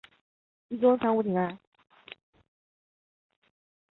劲直刺桐为豆科刺桐属下的一个种。